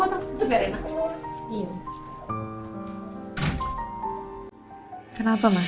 tunggu tunggu tunggu rena